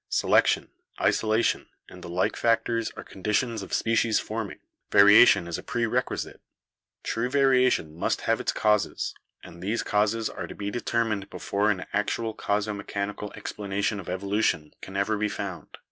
Selection, isolation, and the like factors are conditions of species forming; variation is a prerequisite. True variation must have its causes, and these causes are to be determined before an actual causo mechanical explanation of evolution can ever be found.